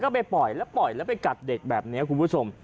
ก็ไปปล่อยแล้วปล่อยแล้วไปกัดเด็กแบบนี้คุณผู้ชม